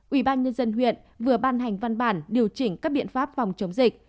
ủy ban nhân dân huyện vừa ban hành văn bản điều chỉnh các biện pháp phòng chống dịch